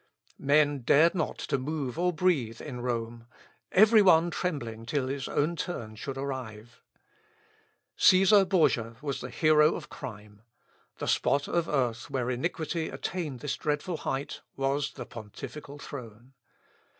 Men dared not to move or breathe in Rome, every one trembling till his own turn should arrive. Cæsar Borgia was the hero of crime. The spot of earth where iniquity attained this dreadful height was the pontifical throne.